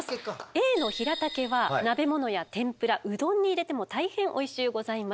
Ａのヒラタケは鍋物や天ぷらうどんに入れても大変おいしゅうございます。